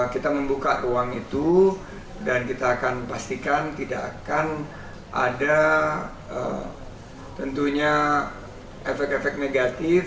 kita membuka uang itu dan kita akan pastikan tidak akan ada tentunya efek efek negatif